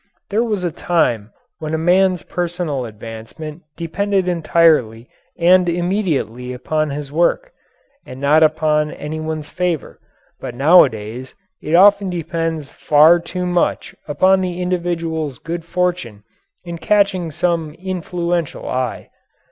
There was a time when a man's personal advancement depended entirely and immediately upon his work, and not upon any one's favor; but nowadays it often depends far too much upon the individual's good fortune in catching some influential eye.